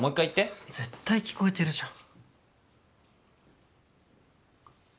絶対聞こえてるじゃん。